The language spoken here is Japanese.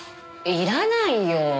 いらないよ。